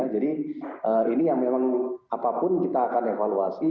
jadi ini yang memang apapun kita akan evaluasi